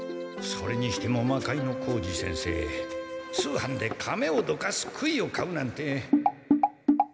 それにしても魔界之小路先生通販で甕をどかす杭を買うなんて。